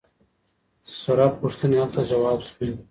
ثره پوښتنې هلته ځواب شوي.